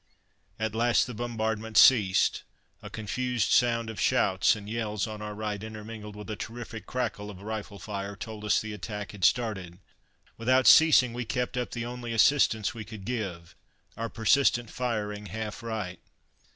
At last the bombardment ceased. A confused sound of shouts and yells on our right, intermingled with a terrific crackle of rifle fire, told us the attack had started. Without ceasing, we kept up the only assistance we could give: our persistent firing half right.